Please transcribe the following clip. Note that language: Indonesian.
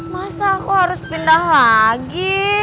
masa aku harus pindah lagi